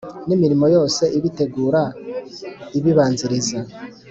Ni imirimo yose ibitegura ibibanziriza